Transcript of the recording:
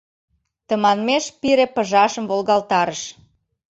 Тыманмеш пире пыжашым волгалтарыш.